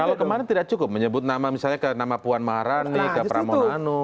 kalau kemarin tidak cukup menyebut nama misalnya ke nama puan maharani ke pramono anung